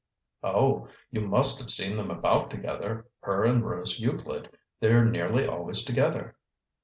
"Oh! You must have seen them about together her and Rose Euclid. They're nearly always together."